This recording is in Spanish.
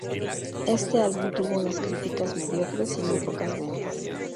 Este álbum tuvo unas críticas mediocres y muy pocas ventas.